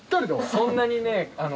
そんなにね。